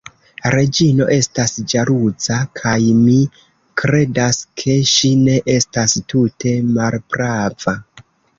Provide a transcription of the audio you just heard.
Reĝino estas ĵaluza: kaj mi kredas, ke ŝi ne estas tute malprava.